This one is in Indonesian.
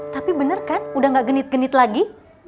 tapi bener kan udah gak genit genit lagi